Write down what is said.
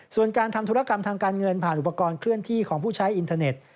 ส่วนการทำธุรกรรมทางการเงินผ่านอุปกรณ์เคลื่อนที่ของผู้ใช้อินเทอร์เน็ต